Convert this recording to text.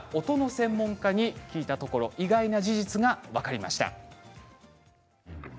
音の専門家に聞いたところ意外な事実が分かりました。